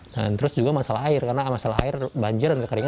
dan terus juga masalah air karena masalah air banjir dan kekeringan